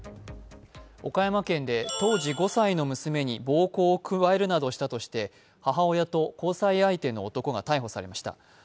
岡山県で当時５歳の娘に暴行を加えるなどしたとして母親と交際相手の男が逮捕されました。